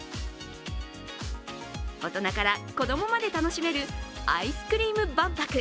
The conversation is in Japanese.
大人から子供まで楽しめるアイスクリーム万博。